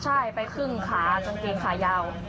ใช่ไปครึ่งขากางเกงขายาว